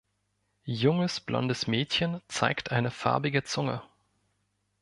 Junges blondes Mädchen zeigt eine farbige Zunge